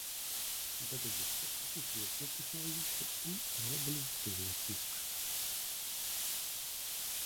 Дадаецца і сусветны тэхналагічны і глабалізацыйны ціск.